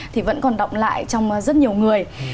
thì vẫn còn động lại trong rất nhiều người